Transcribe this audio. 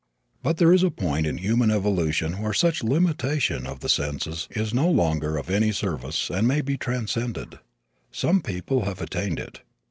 But there is a point in human evolution where such limitation of the senses is no longer of any service and may be transcended. Some people have attained it.